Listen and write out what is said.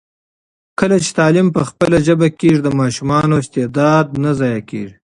کله چي تعلیم په خپله ژبه کېږي، د ماشومانو استعداد نه ضایع کېږي.